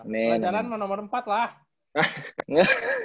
pelajaran mau nomor empat lah